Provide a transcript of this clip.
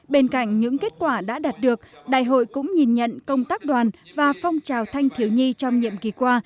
bên cạnh những kết quả đã đạt được đại hội cũng nhìn nhận công tác đoàn và phong trào thanh thiếu nhi trong nhiệm kỳ qua